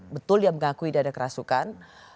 betul dia mengakui dia ada kerasukan